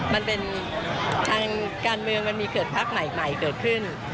มันเป็นทางการเมืองมันมีเกิดพักใหม่เกิดขึ้น